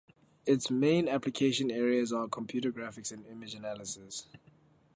Its main application areas are computer graphics and image analysis.